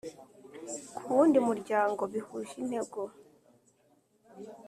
ku wundi Muryango bihuje intego